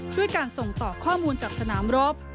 ด้วยการส่งต่อข้อมูลจากสนามรบ